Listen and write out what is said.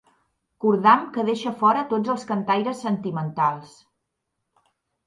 Cordam que deixa fora tots els cantaires sentimentals.